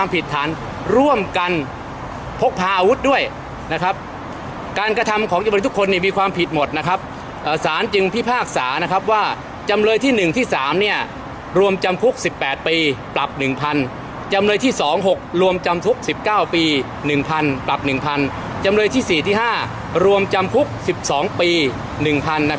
ผิดฐานร่วมกันพกพาอาวุธด้วยนะครับการกระทำของบริษัททุกคนเนี่ยมีความผิดหมดนะครับอ่าสารจึงพิพากษานะครับว่าจำเลยที่หนึ่งที่สามเนี่ยรวมจำพุกสิบแปดปีปรับหนึ่งพันจำเลยที่สองหกรวมจำพุกสิบเก้าปีหนึ่งพันปรับหนึ่งพันจำเลยที่สี่ที่ห้ารวมจำพุกสิบสองปีหนึ่